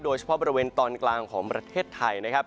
โดยเฉพาะบริเวณตอนกลางของประเทศไทยนะครับ